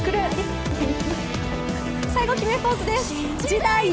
最後、決めポーズです。